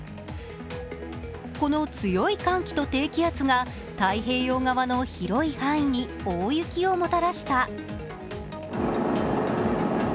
この強い寒気と低気圧が太平洋側の拾い範囲に大雪をもたらした。